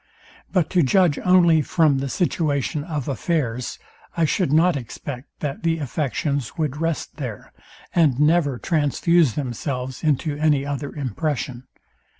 But to judge only from the situation of affairs, I should not expect, that the affections would rest there, and never transfuse themselves into any other impression.